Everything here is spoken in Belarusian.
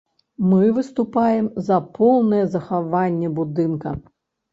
Мы выступаем за поўнае захаванне будынка.